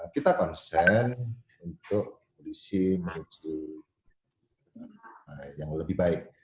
kita konsen untuk polisi menuju yang lebih baik